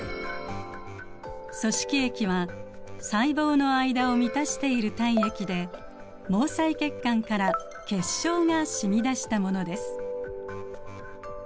組織液は細胞の間を満たしている体液で毛細血管から血しょうが染み出したものです。